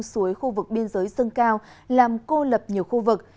suối khu vực biên giới dâng cao làm cô lập nhiều khu vực